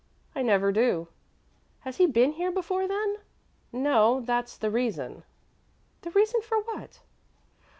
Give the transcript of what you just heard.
"I never do." "Has he been here before, then?" "No; that's the reason." "The reason for what?"